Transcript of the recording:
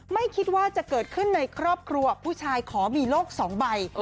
ไม่คิดว่าจะเกิดขึ้นในครอบครัวผู้ชายขอมีโลก๒ใบ